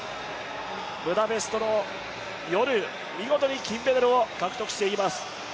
ブダペストの夜、見事に金メダルを獲得しています。